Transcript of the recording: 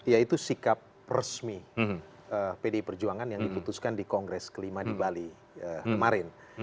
yaitu sikap resmi pdi perjuangan yang diputuskan di kongres kelima di bali kemarin